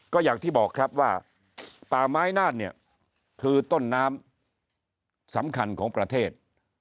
ก็อย่างที่บอกครับว่าป่าไม้นาศเนี่ยคือต้นน้ำสำคัญของประเทศ